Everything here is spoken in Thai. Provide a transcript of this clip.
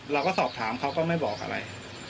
เราก็สอบถามเขาก็ไม่บอกอะไร